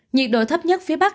nhiệt độ thấp nhất phía bắc